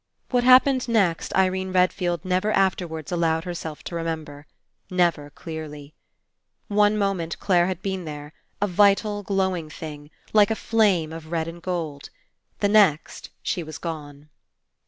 What happened next, Irene Redfield never afterwards allowed herself to remember. Never clearly. One moment Clare had been there, a vital glowing thing, like a flame of red and gold. The next she was gone.